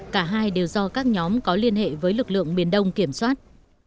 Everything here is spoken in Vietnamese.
cả hai đều do các nhóm có liên hệ với lực lượng miền đông kiểm soát